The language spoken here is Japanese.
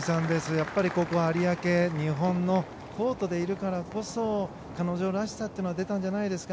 やっぱりここ、有明日本のコートでいるからこそ彼女らしさというのが出たんじゃないですか？